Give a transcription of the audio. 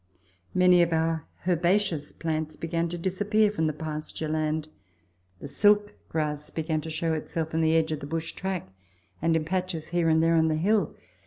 Many of our herbaceous plants began to disappear from the pasture land ; the silk grass began to show itself in the edge of the bush track, and in patches here and there on the hill.